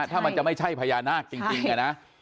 ถ้ามันจะไม่ใช่พญานาคจริงนะ